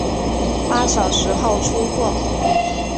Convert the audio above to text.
八小时后出货